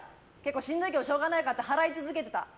しんどいけどしょうがないかって払い続けてた。